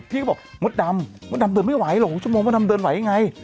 พี่ก็บอกมดดำมดดำเดินไม่ไหวหรอกชั่วโมงมดดำเดินไหวยังไง